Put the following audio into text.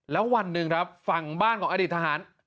แล้ววันหนึ่งครับฝั่งบ้านของอดีตทหาร